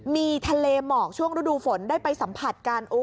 มีทะเลหมอกช่วงฤดูฝนได้ไปสัมผัสกัน